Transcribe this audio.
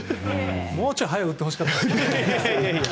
もうちょい早く言ってほしかったですね。